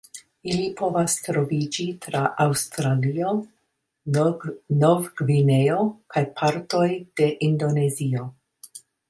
Ili povas troviĝi tra Aŭstralio, Novgvineo, kaj partoj de Indonezio.